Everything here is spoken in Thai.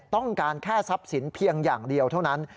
ต้องการแค่ทรัพย์สินเพียงอย่างเดียวเท่านั้น